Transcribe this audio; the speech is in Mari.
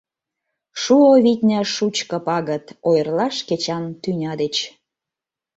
Шуо, витне, шучко пагыт Ойырлаш кечан тӱня деч.